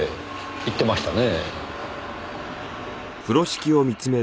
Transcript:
言ってましたね。